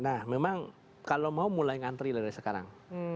nah memang kalau mau mulai ngantri dari sekarang